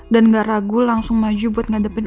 dan gak ragu langsung maju buat ngadepin